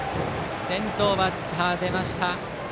先頭バッター、出ました。